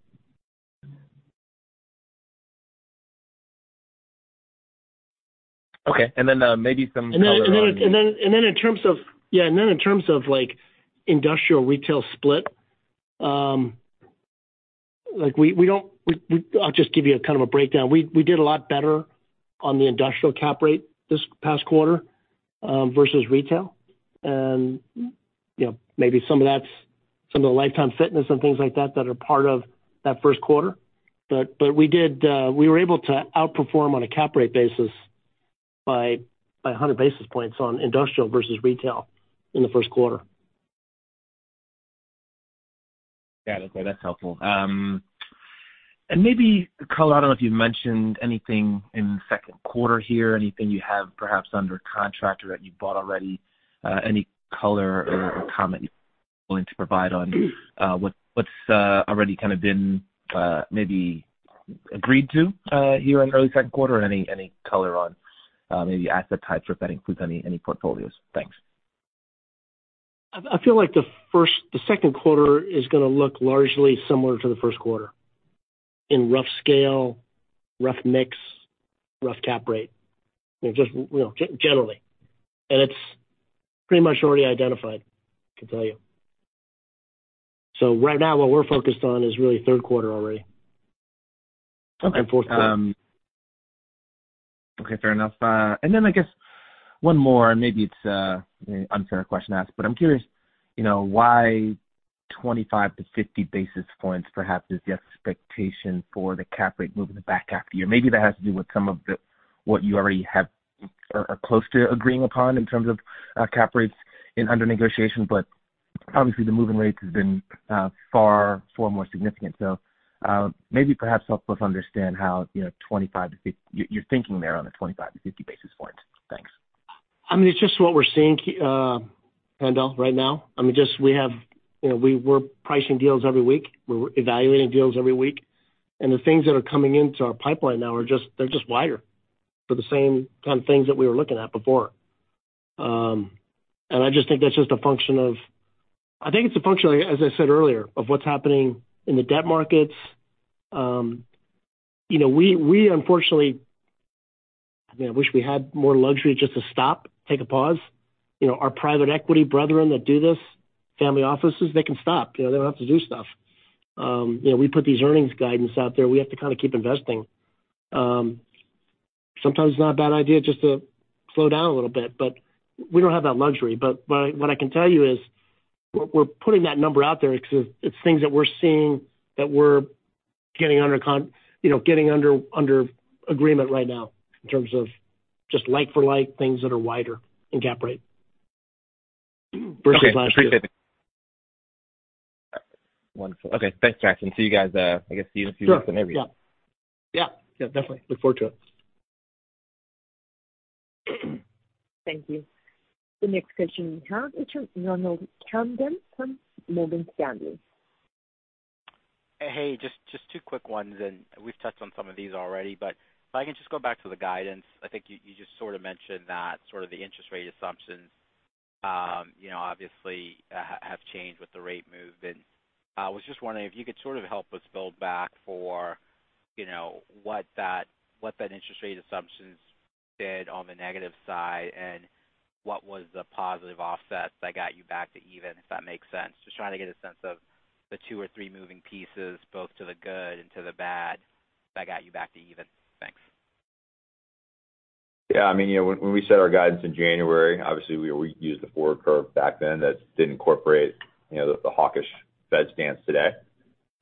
Okay. Maybe some color on- In terms of, like, industrial retail split, I'll just give you a kind of a breakdown. We did a lot better on the industrial cap rate this past quarter vs retail, you know, maybe some of that's some of the Life Time and things like that that are part of that first quarter. We were able to outperform on a cap rate basis by 100 basis points on industrial vs retail in the first quarter. Got it. Okay. That's helpful. Maybe, color on, I don't know if you've mentioned anything in second quarter here, anything you have perhaps under contract or that you bought already, any color or comment you're willing to provide on what's already kinda been maybe agreed to here in early second quarter or any color on maybe asset types if that includes any portfolios. Thanks. I feel like the second quarter is gonna look largely similar to the first quarter in rough scale, rough mix, rough cap rate, you know, just, you know, generally. It's pretty much already identified, I can tell you. Right now what we're focused on is really third quarter already. Okay. Fourth quarter. Okay, fair enough. I guess one more, and maybe it's an unfair question to ask, but I'm curious, you know, why 25-50 basis points perhaps is the expectation for the cap rate moving back half year. Maybe that has to do with some of the what you already have or are close to agreeing upon in terms of cap rates under negotiation. But obviously the moving rates has been far more significant. Maybe perhaps help us understand how, you know, your thinking there on the 25-50 basis points. Thanks. I mean, it's just what we're seeing Kendall, right now. I mean, just we have, you know, we're pricing deals every week. We're evaluating deals every week. The things that are coming into our pipeline now are just they're just wider for the same kind of things that we were looking at before. I just think that's just a function of, I think it's a function, as I said earlier, of what's happening in the debt markets. You know, we unfortunately, I mean, I wish we had more luxury just to stop, take a pause. You know, our private equity brethren that do this, family offices, they can stop. You know, they don't have to do stuff. You know, we put these earnings guidance out there, we have to kinda keep investing. Sometimes it's not a bad idea just to slow down a little bit, but we don't have that luxury. What I can tell you is, we're putting that number out there because it's things that we're seeing that we're getting under agreement right now in terms of just like for like things that are wider in cap rate vs last year. Okay. Appreciate that. Wonderful. Okay. Thanks, Jackson. See you guys, I guess, see you in a few weeks in the interview. Sure. Yeah, definitely look forward to it. Thank you. The next question we have is from Ronald Kamdem from Morgan Stanley. Hey, just two quick ones, and we've touched on some of these already, but if I can just go back to the guidance. I think you just sort of mentioned that sort of the interest rate assumptions, you know, obviously have changed with the rate move. I was just wondering if you could sort of help us build back for, you know, what that interest rate assumptions did on the negative side, and what was the positive offsets that got you back to even, if that makes sense. Just trying to get a sense of the two or three moving pieces, both to the good and to the bad that got you back to even. Thanks. Yeah. I mean, you know, when we set our guidance in January, obviously we used the forward curve back then that didn't incorporate, you know, the hawkish Fed stance today.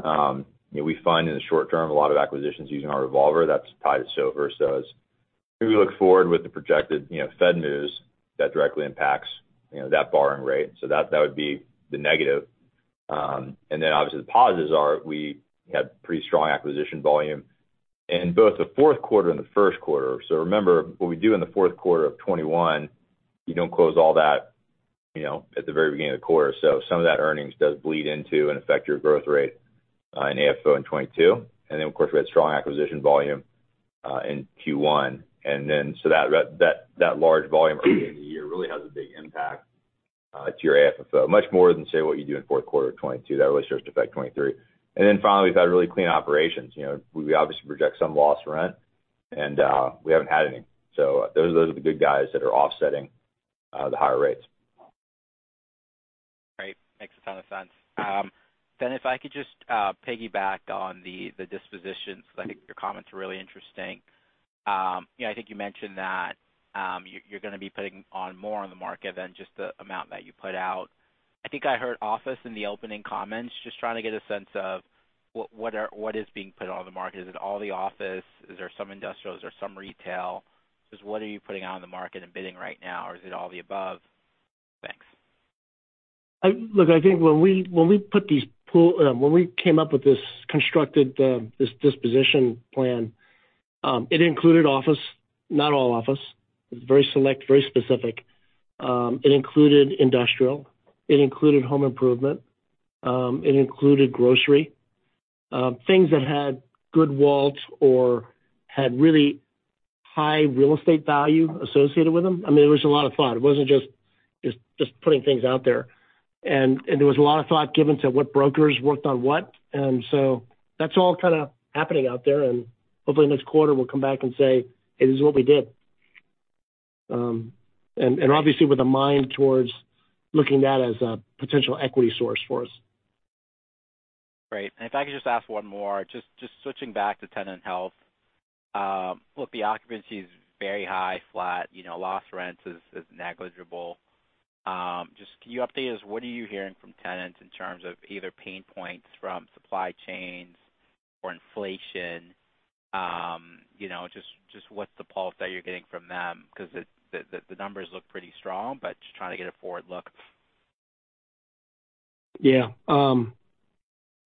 You know, we find in the short term a lot of acquisitions using our revolver that's priced over. So as we look forward with the projected, you know, Fed moves that directly impacts, you know, that borrowing rate. So that would be the negative. And then obviously the positives are we had pretty strong acquisition volume in both the fourth quarter and the first quarter. So remember, what we do in the fourth quarter of 2021, you don't close all that, you know, at the very beginning of the quarter. So some of that earnings does bleed into and affect your growth rate in AFFO in 2022. Of course, we had strong acquisition volume in Q1. That large volume early in the year really has a big impact to your AFFO, much more than, say, what you do in fourth quarter of 2022. That really starts to affect 2023. Finally, we've had really clean operations. You know, we obviously project some lost rent, and we haven't had any. Those are the good guys that are offsetting the higher rates. Great. Makes a ton of sense. If I could just piggyback on the dispositions. I think your comments are really interesting. You know, I think you mentioned that you're gonna be putting on more on the market than just the amount that you put out. I think I heard office in the opening comments. Just trying to get a sense of what is being put on the market. Is it all the office? Is there some industrial? Is there some retail? Just what are you putting out on the market and bidding right now, or is it all the above? Thanks. Look, I think when we came up with this constructed this disposition plan, it included office, not all office. It's very select, very specific. It included industrial. It included home improvement. It included grocery. Things that had good walls or had really high real estate value associated with them. I mean, there was a lot of thought. It wasn't just putting things out there. There was a lot of thought given to what brokers worked on what. That's all kind of happening out there. Hopefully next quarter we'll come back and say, "Hey, this is what we did." Obviously with a mind towards looking at that as a potential equity source for us. Great. If I could just ask one more. Just switching back to tenant health. Look, the occupancy is very high, flat, you know, lost rent is negligible. Just can you update us, what are you hearing from tenants in terms of either pain points from supply chains or inflation? You know, just what's the pulse that you're getting from them? Because the numbers look pretty strong, but just trying to get a forward look. Yeah. I'm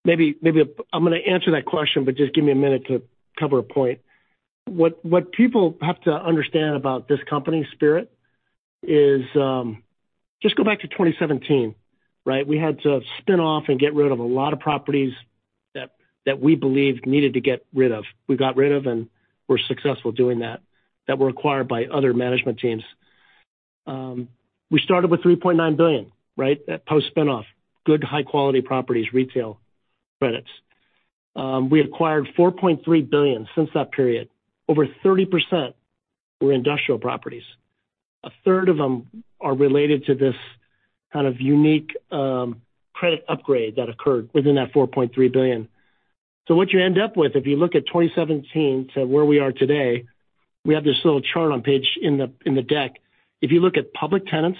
gonna answer that question, but just give me a minute to cover a point. What people have to understand about this company Spirit is, just go back to 2017, right? We had to spin off and get rid of a lot of properties that we believed needed to get rid of. We got rid of and were successful doing that that were acquired by other management teams. We started with $3.9 billion, right? Post-spin off, good high-quality properties, retail credits. We acquired $4.3 billion since that period. Over 30% were industrial properties. A third of them are related to this kind of unique credit upgrade that occurred within that $4.3 billion. What you end up with, if you look at 2017 to where we are today, we have this little chart on page in the deck. If you look at public tenants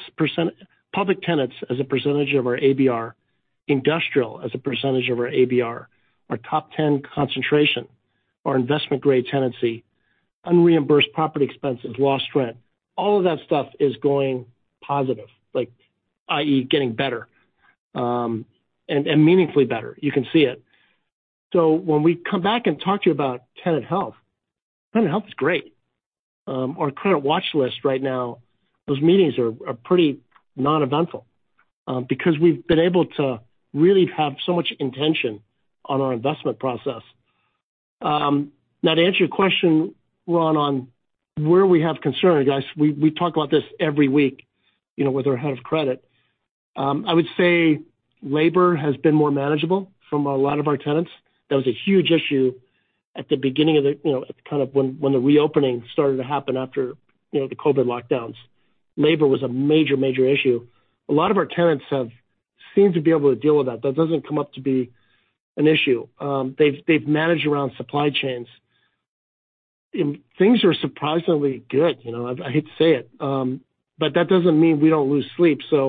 as a percentage of our ABR, industrial as a percentage of our ABR, our top 10 concentration, our investment-grade tenancy, unreimbursed property expenses, lost rent, all of that stuff is going positive, like i.e., getting better, and meaningfully better. You can see it. When we come back and talk to you about tenant health, tenant health is great. Our credit watch list right now, those meetings are pretty uneventful, because we've been able to really have so much attention on our investment process. Now to answer your question, Ron, on where we have concerns. Guys, we talk about this every week, you know, with our head of credit. I would say labor has been more manageable from a lot of our tenants. That was a huge issue at the beginning of the, you know, kind of when the reopening started to happen after, you know, the COVID lockdowns. Labor was a major issue. A lot of our tenants have seemed to be able to deal with that. That doesn't come up to be an issue. They've managed around supply chains. Things are surprisingly good. You know, I hate to say it, but that doesn't mean we don't lose sleep. You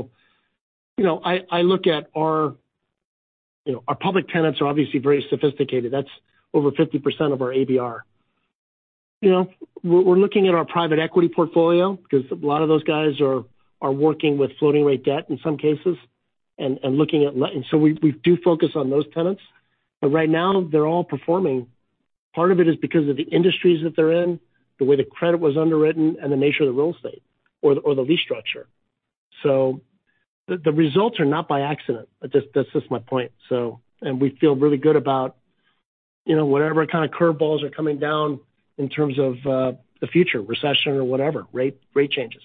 know, I look at our public tenants, you know. Our public tenants are obviously very sophisticated. That's over 50% of our ABR. You know, we're looking at our private equity portfolio because a lot of those guys are working with floating rate debt in some cases and so we do focus on those tenants. Right now they're all performing. Part of it is because of the industries that they're in, the way the credit was underwritten and the nature of the real estate or the lease structure. The results are not by accident. That's just my point. We feel really good about, you know, whatever kind of curveballs are coming down in terms of the future, recession or whatever, rate changes.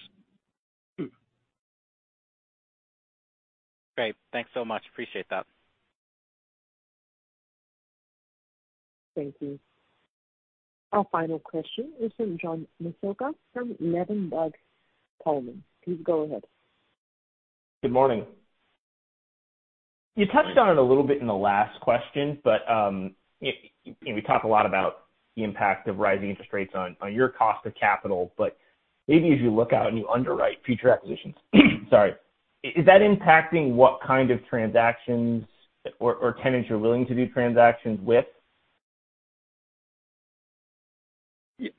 Great. Thanks so much. Appreciate that. Thank you. Our final question is from John Massocca from Ladenburg Thalmann. Please go ahead. Good morning. You touched on it a little bit in the last question, but you know, we talk a lot about the impact of rising interest rates on your cost of capital. Maybe as you look out and you underwrite future acquisitions, sorry, is that impacting what kind of transactions or tenants you're willing to do transactions with?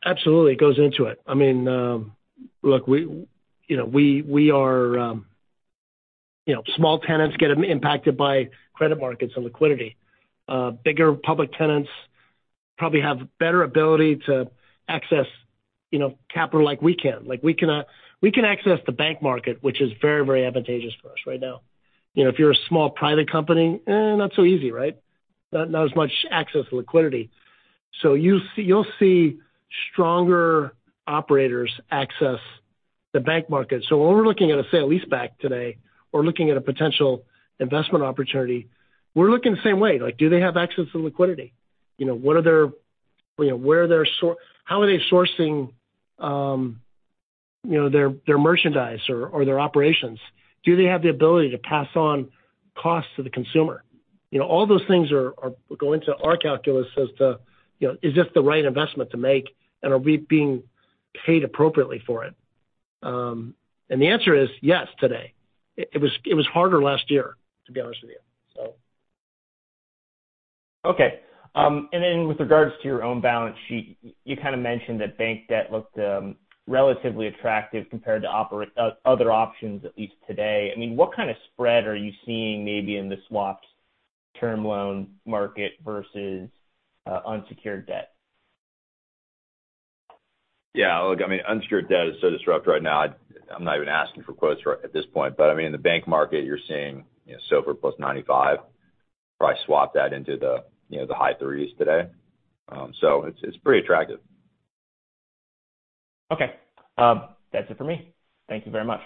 Absolutely. It goes into it. I mean, look, we, you know, small tenants get impacted by credit markets and liquidity. Bigger public tenants probably have better ability to access, you know, capital like we can. Like, we can access the bank market, which is very, very advantageous for us right now. You know, if you're a small private company, not so easy, right? Not as much access to liquidity. You'll see stronger operators access the bank market. When we're looking at a sale-leaseback today or looking at a potential investment opportunity, we're looking the same way. Like, do they have access to liquidity? You know, what are their, you know, how are they sourcing, you know, their merchandise or their operations? Do they have the ability to pass on costs to the consumer? You know, all those things go into our calculus as to, you know, is this the right investment to make, and are we being paid appropriately for it? The answer is yes, today. It was harder last year, to be honest with you, so. With regards to your own balance sheet, you kind of mentioned that bank debt looked relatively attractive compared to other options, at least today. I mean, what kind of spread are you seeing maybe in the swaps term loan market vs unsecured debt? Yeah, look, I mean, unsecured debt is so disrupted right now. I'm not even asking for quotes right at this point. I mean, in the bond market, you're seeing, you know, SOFR plus 95. Probably swap that into the, you know, the high thirties today. It's pretty attractive. Okay. That's it for me. Thank you very much.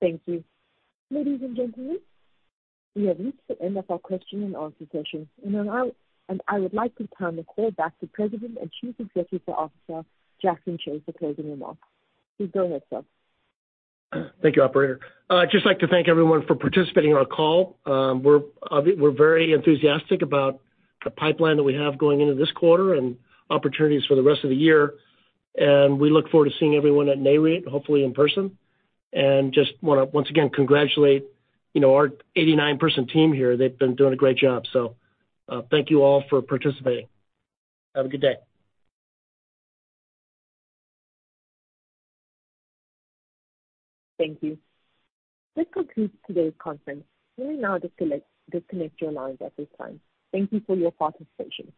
Thank you. Ladies and gentlemen, we have reached the end of our question and answer session. I would like to turn the call back to President and Chief Executive Officer Jackson Hsieh for closing remarks. Please go ahead, sir. Thank you, operator. I'd just like to thank everyone for participating in our call. We're very enthusiastic about the pipeline that we have going into this quarter and opportunities for the rest of the year, and we look forward to seeing everyone at Nareit, hopefully in person. Just wanna once again congratulate, you know, our 89-person team here. They've been doing a great job. Thank you all for participating. Have a good day. Thank you. This concludes today's conference. You may now disconnect your lines at this time. Thank you for your participation.